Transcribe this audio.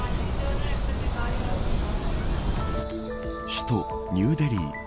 首都ニューデリー。